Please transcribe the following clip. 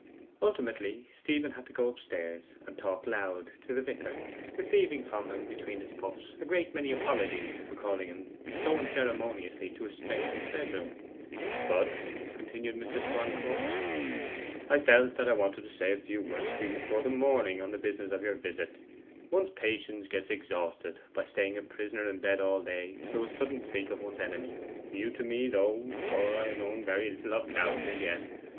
Ultimately Stephen had to go upstairs and talk loud to the vicar, receiving from him between his puffs a great many apologies for calling him so unceremoniously to a stranger's bedroom. 'But,' continued Mr. Swancourt, 'I felt that I wanted to say a few words to you before the morning, on the business of your visit. One's patience gets exhausted by staying a prisoner in bed all day through a sudden freak of one's enemy new to me, though for I have known very little of gout as yet.